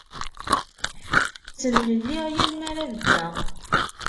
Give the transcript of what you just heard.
Ttemlelliɣ yal m ara beddeɣ.